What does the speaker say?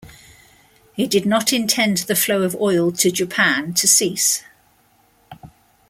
He did not intend the flow of oil to Japan to cease.